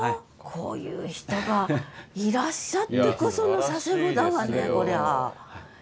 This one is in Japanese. こういう人がいらっしゃってこその佐世保だわねこりゃ。